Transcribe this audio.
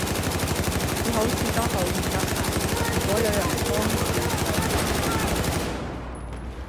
佢好似都好唔得閒，如果有人幫佢手就最好嘞